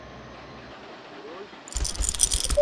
该系列也成为了最受欢迎和成功的格斗游戏系列之一。